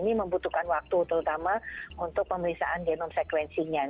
ini membutuhkan waktu terutama untuk pemeriksaan genom sekuensinya